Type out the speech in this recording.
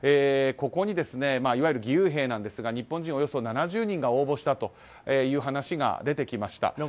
ここに、いわゆる義勇兵ですが日本人およそ７０人が応募したという話が出てきました。